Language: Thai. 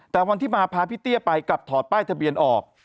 แต่วันที่มาพาพี่เตี้ยไปกลับถอดป้ายทะเบียนออก